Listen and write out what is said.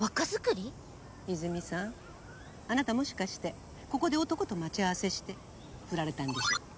いづみさんあなたもしかしてここで男と待ち合わせして振られたんでしょ。